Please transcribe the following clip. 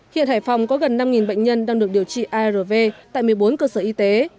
hiện hải phòng có gần năm bệnh nhân đang được điều trị arv tại một mươi bốn cơ sở y tế